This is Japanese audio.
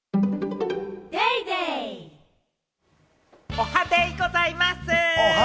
おはデイございます！